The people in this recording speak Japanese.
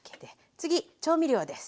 次調味料です。